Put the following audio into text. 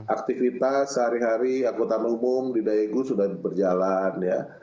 aktivitas sehari hari angkutan umum di daegu sudah berjalan ya